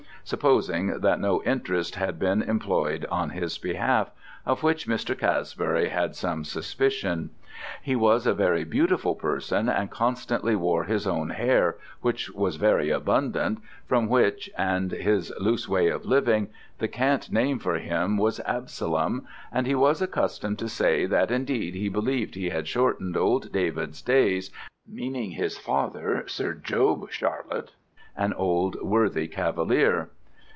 supposing that no interest had been imploy'd on his behalf, of which Mr. Casbury had some suspicion. He was a very beautiful person, and constantly wore his own Hair, which was very abundant, from which, and his loose way of living, the cant name for him was Absalom, and he was accustom'd to say that indeed he believ'd he had shortened old David's days, meaning his father, Sir Job Charlett, an old worthy cavalier.